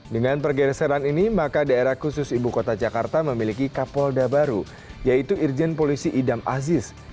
dengan pergeseran ini maka daerah khusus ibu kota jakarta memiliki kapolda baru yaitu irjen polisi idam aziz